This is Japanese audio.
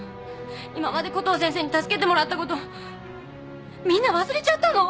今までコトー先生に助けてもらったことみんな忘れちゃったの？